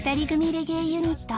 レゲエユニット